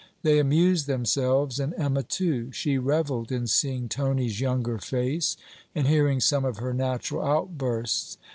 They amused themselves, and Emma too. She revelled in seeing Tony's younger face and hearing some of her natural outbursts.